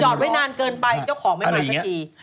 ไว้นานเกินไปเจ้าของไม่มาสักที